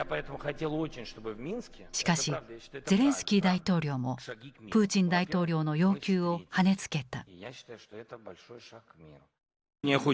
しかしゼレンスキー大統領もプーチン大統領の要求をはねつけた。